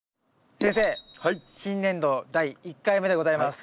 先生新年度第１回目でございます。